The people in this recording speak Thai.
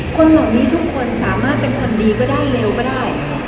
คนเหล่านี้ทุกคนสามารถเป็นคนดีก็ได้เร็วก็ได้